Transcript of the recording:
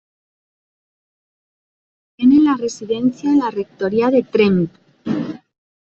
Tienen la residencia en la rectoría de Tremp.